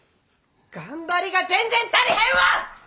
頑張りが全然足りへんわ！